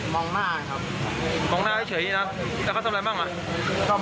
มองหน้าครับ